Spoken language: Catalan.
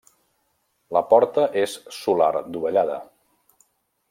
La porta és solar dovellada.